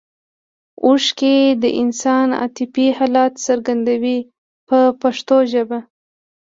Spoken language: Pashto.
اوښکې د انسان عاطفي حالت څرګندوي په پښتو ژبه.